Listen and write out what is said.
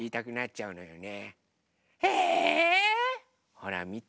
ほらみて。